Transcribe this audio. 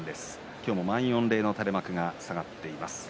今日も満員御礼の垂れ幕が下がっています。